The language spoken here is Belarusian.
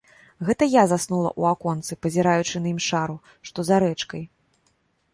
Гэта я заснула ў аконцы, пазіраючы на імшару, што за рэчкай.